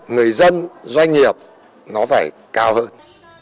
người dân doanh nghiệp nó phải cao hơn